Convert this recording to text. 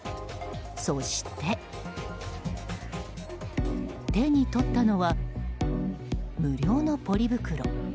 そして手に取ったのは無料のポリ袋。